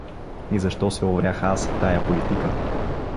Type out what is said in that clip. И защо се уврях аз в тая политика?